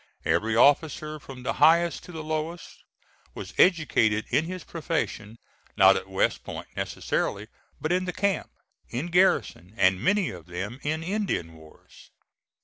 Every officer, from the highest to the lowest, was educated in his profession, not at West Point necessarily, but in the camp, in garrison, and many of them in Indian wars.